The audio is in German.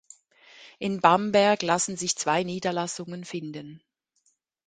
In Bamberg lassen sich zwei Niederlassungen finden.